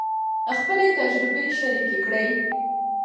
خپلې تجربې شریکې کړئ.